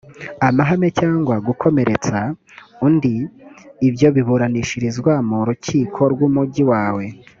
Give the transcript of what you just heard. amahane cyangwa gukomeretsa undi ibyo biburanishirizwa mu rukiko rw’umugi wawe